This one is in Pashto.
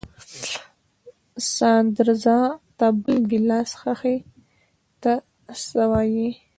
ساندرزه ته بل ګیلاس څښې، ته څه وایې؟